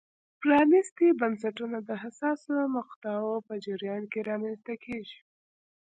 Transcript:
پرانیستي بنسټونه د حساسو مقطعو په جریان کې رامنځته کېږي.